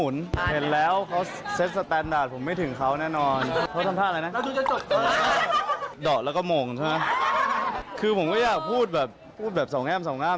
ด่อแล้วก็มงใช่ไหมคือผมก็อยากพูดแบบพูดแบบสองแอ้มสองอ้าม